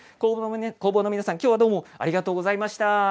工房の皆さん、きょうはどうもありがとうございました。